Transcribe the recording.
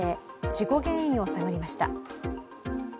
事故原因を探りました。